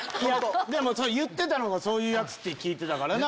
でも言ってたのがそういう奴って聞いてたからな。